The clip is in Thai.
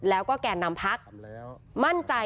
แล้วก็แกนนำพักรวมไทยสร้างชาติ